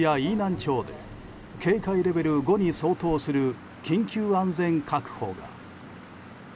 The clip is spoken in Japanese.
島根県では雲南市や飯南町で警戒レベル５に相当する緊急安全確保が。